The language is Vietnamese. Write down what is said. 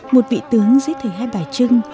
một vị tướng giết thầy hai bài trưng